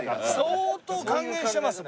相当還元してますね。